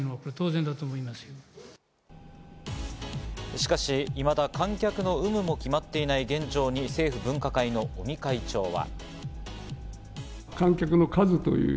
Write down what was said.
しかし、いまだ観客の有無も決まっていない現状に政府分科会の尾身会長は。